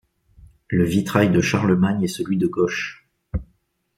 Le vitrail de Charlemagne est celui de gauche.